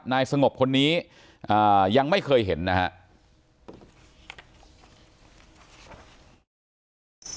นายสงบคนนี้ยังไม่เคยเห็นนะครับ